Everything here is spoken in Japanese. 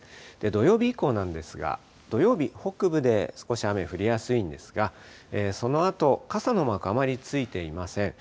土曜日以降なんですが、土曜日、北部で少し雨降りやすいんですが、そのあと、傘のマークあまりついていません。